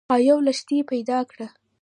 او یوه لښتۍ پیدا کړه